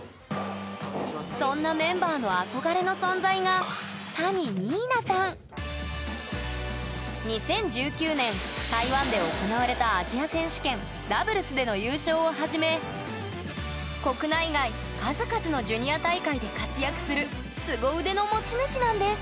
そんなメンバーの憧れの存在が２０１９年台湾で行われたアジア選手権ダブルスでの優勝をはじめ国内外数々のジュニア大会で活躍するスゴ腕の持ち主なんです！